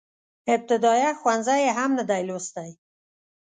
ابتدائيه ښوونځی يې هم نه دی لوستی.